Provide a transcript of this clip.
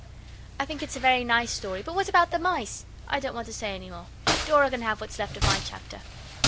I think it's a very nice Story but what about the mice? I don't want to say any more. Dora can have what's left of my chapter.